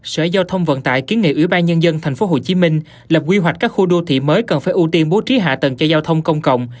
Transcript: sở giao thông vận tải kiến nghị ủy ban nhân dân tp hcm lập quy hoạch các khu đô thị mới cần phải ưu tiên bố trí hạ tầng cho giao thông công cộng